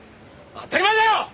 当たり前だよ！